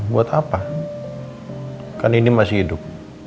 buat apa kan ini masih hidup